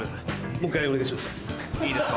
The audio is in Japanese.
もう一回お願いします。